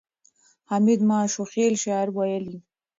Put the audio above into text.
حمید ماشوخېل شعر ویلی.